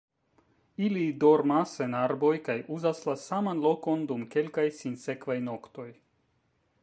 Ili dormas en arboj kaj uzas la saman lokon dum kelkaj sinsekvaj noktoj.